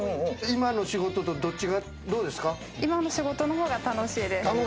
今の仕事と、どっちがどうで今の仕事の方が楽しいです。